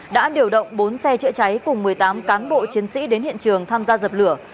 đã điều động bốn xe chữa cháy cùng một mươi tám cán bộ chiến sĩ đến hiện trường tham gia dập lửa